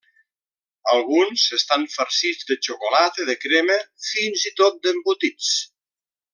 Alguns estan farcits de xocolata, de crema, fins i tot d'embotits.